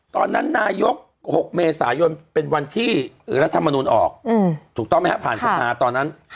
นายก๖เมษายนเป็นวันที่รัฐมนุนออกถูกต้องไหมฮะผ่านสภาตอนนั้น